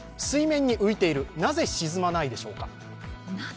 水面に浮いている、なぜ沈まないんでしょうか？